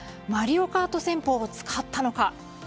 マリオカート戦法を使ったのか。